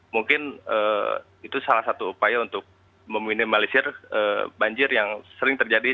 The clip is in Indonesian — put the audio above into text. mungkin itu salah satu upaya untuk meminimalisir banjir yang sering terjadi